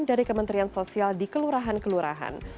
dari kementerian sosial di kelurahan kelurahan